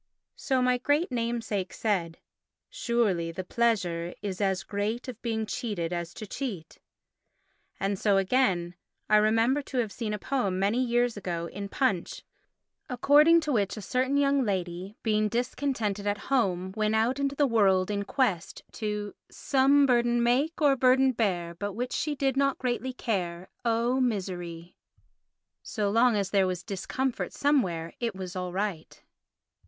So my great namesake said, "Surely the pleasure is as great Of being cheated as to cheat"; and so, again, I remember to have seen a poem many years ago in Punch according to which a certain young lady, being discontented at home, went out into the world in quest to "Some burden make or burden bear, But which she did not greatly care—Oh Miseree!" So long as there was discomfort somewhere it was all right.